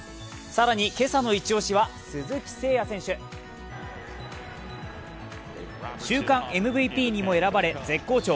更に今朝のイチ押しは鈴木誠也選手。週間ＭＶＰにも選ばれ絶好調。